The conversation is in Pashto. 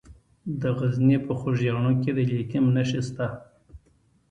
د غزني په خوږیاڼو کې د لیتیم نښې شته.